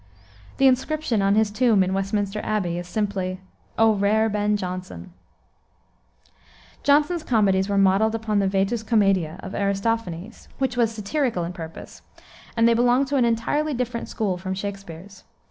The inscription on his tomb, in Westminster Abbey, is simply "O rare Ben Jonson!" Jonson's comedies were modeled upon the vetus comaedia of Aristophanes, which was satirical in purpose, and they belonged to an entirely different school from Shakspere's.